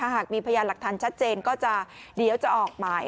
หากมีพยานหลักฐานชัดเจนก็จะเดี๋ยวจะออกหมาย